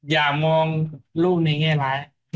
อย่ามองรูปนี้ง่าย